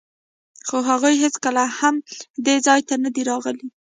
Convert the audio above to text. خو هغوی هېڅکله هم دې ځای ته نه دي راغلي.